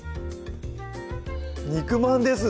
肉まんですね